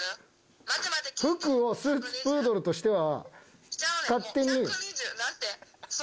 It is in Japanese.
服をスーツプードルとしては。